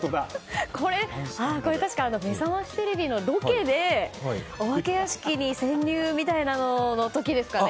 これ確か「めざましテレビ」のロケでお化け屋敷に潜入みたいな時ですかね。